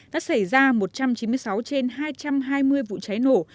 đã xảy ra một trăm chín mươi sáu trên hai trăm hai mươi vụ cháy nổ